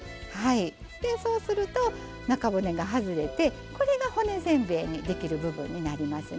そうすると中骨が外れてこれが骨せんべいにできる部分になりますね。